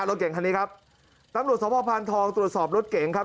รถเก่งคันนี้ครับน้ำหลวงสอบพ่อพานทองตรวจสอบรถเก่งครับ